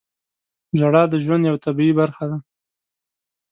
• ژړا د ژوند یوه طبیعي برخه ده.